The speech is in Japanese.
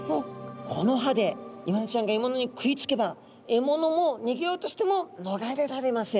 この歯でイワナちゃんがえものに食いつけばえものもにげようとしてものがれられません。